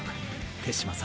手嶋さん！